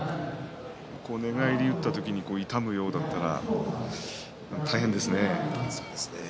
寝返りを打った時に痛むようだったら大変ですね。